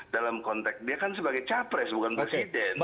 dalam konteks dia kan sebagai capres bukan presiden